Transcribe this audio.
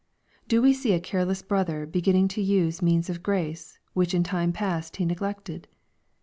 Do we see a careless brother beginning to use means of grace, which in time past he neglected